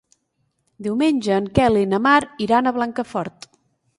Diumenge en Quel i na Mar iran a Blancafort.